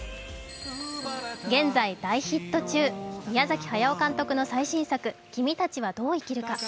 現在大ヒット中、宮崎駿監督の最新作「君たちはどう生きるか」。